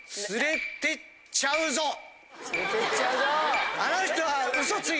連れてっちゃうぞ。